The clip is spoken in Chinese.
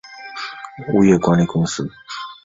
物业管理公司为伟邦物业管理有限公司。